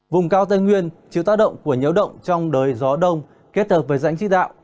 vùng cao tây nguyên chịu tác động của nhiễu động trong đời gió đông kết hợp với rãnh chí đạo